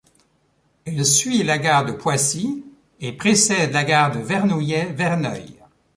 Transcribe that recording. Elle suit la gare de Poissy et précède la gare de Vernouillet - Verneuil.